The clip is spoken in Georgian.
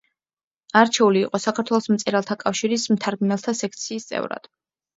არჩეული იყო საქართველოს მწერალთა კავშირის მთარგმნელთა სექციის წევრად.